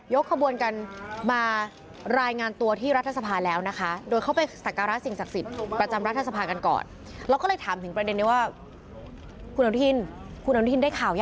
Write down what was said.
ยกขบวนกันมา